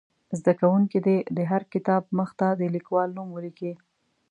زده کوونکي دې د هر کتاب مخ ته د لیکوال نوم ولیکي.